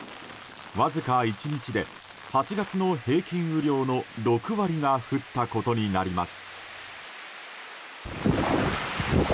わずか１日で８月の平均雨量の６割が降ったことになります。